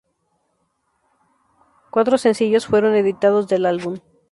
Cuatro sencillos fueron editados del álbum.